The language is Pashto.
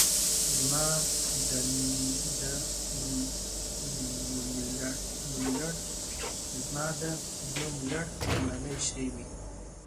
زما د نوملړ لومړنی شی وي.